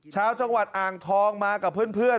ชาวจังหวัดอ่างทองมากับเพื่อน